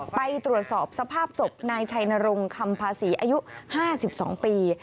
ไปตรวจสอบสภาพศพนายชัยนรงคำภาษีอายุ๕๒ปี